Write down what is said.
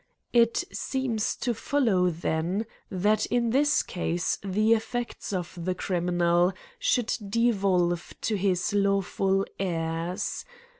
It seems to follow then, that in this case, the effects of the criminal should devolve to his lawful heirs.